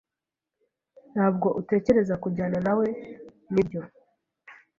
Ntabwo utekereza kujyana nawe, nibyo?